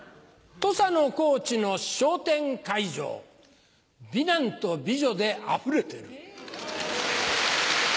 土佐の高知の笑点会場美男と美女であふれてる。